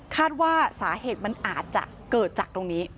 คาดว่าสาเหตุมันอาจจะเกิดจากตรงนี้